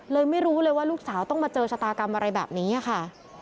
ไม่รู้เลยว่าลูกสาวต้องมาเจอชะตากรรมอะไรแบบนี้ค่ะ